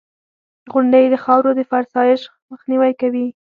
• غونډۍ د خاورو د فرسایش مخنیوی کوي.